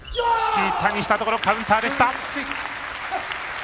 チキータにしたところカウンターでした。